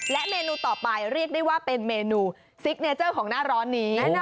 เมนูต่อไปเรียกได้ว่าเป็นเมนูซิกเนเจอร์ของหน้าร้อนนี้